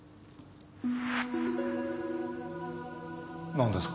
何ですか？